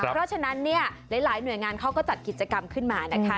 เพราะฉะนั้นเนี่ยหลายหน่วยงานเขาก็จัดกิจกรรมขึ้นมานะคะ